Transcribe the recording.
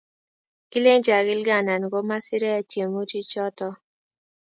Kilenji agilge anan komasirei tyemutichoto